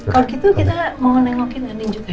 kalau gitu kita mau nengokin gantian juga ya